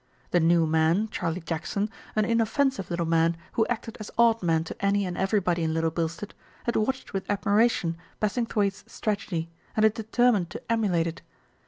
The new man, Charlie Jackson, an inoffensive little man who acted as odd man to any and everybody in Little Bilstead, had watched with admiration Bassing thwaighte's strategy and had determined to emulate it.